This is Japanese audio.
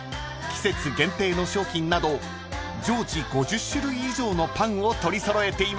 季節限定の商品など常時５０種類以上のパンを取り揃えています］